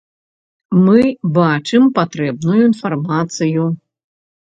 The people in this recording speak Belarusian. Мы бачым патрэбную інфармацыю.